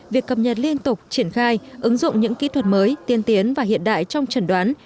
việc cập nhật liên tục triển khai ứng dụng những kỹ thuật mới tiên tiến và hiện đại trong trần đoán